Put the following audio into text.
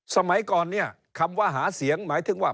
สมัยก่อนเนี่ยคำว่าหาเสียงหมายถึงว่า